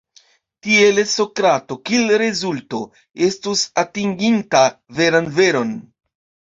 Tiele, Sokrato, kiel rezulto, estus atinginta veran veron.